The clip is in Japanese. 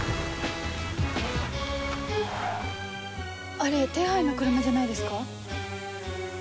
あれ手配の車じゃないですか？